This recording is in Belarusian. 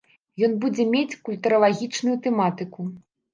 Ён будзе мець культуралагічную тэматыку.